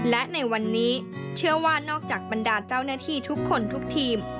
และในวันนี้เชื่อว่านอกจากบรรดาเจ้าหน้าที่ทุกคนทุกทีม